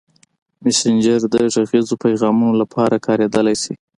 مسېنجر د غږیزو پیغامونو لپاره کارېدلی شي.